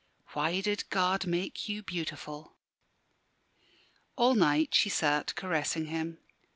Why did God make you beautiful?" All night she sat caressing him.